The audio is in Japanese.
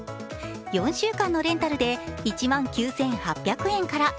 ４週間のレンタルで１万９８００円から。